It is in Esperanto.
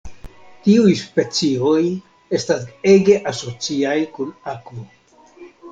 Tiuj specioj estas ege asociaj kun akvo.